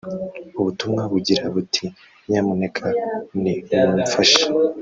ubutumwa bugira buti “ Nyamuneka nimumfashe